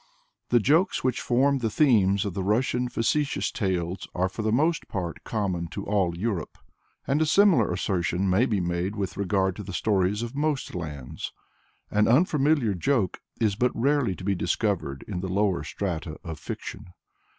The jokes which form the themes of the Russian facetious tales are for the most part common to all Europe. And a similar assertion may be made with regard to the stories of most lands. An unfamiliar joke is but rarely to be discovered in the lower strata of fiction.